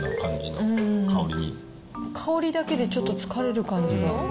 香りだけでちょっと疲れる感じが。